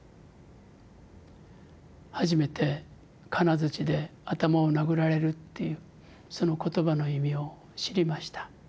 初めて「金づちで頭を殴られる」っていうその言葉の意味を知りました。